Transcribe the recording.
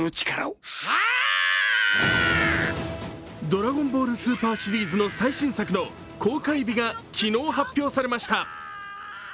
「ドラゴンボール超」シリーズの最新作の公開日が昨日発表されました。